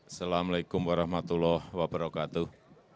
assalamu'alaikum warahmatullahi wabarakatuh